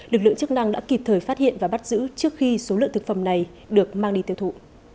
lực lượng chức năng đã kịp thời phát hiện và bắt giữ trước khi số lượng thực phẩm này được mang đi tiêu thụ